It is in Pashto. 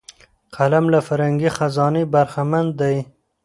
قلم له فرهنګي خزانې برخمن دی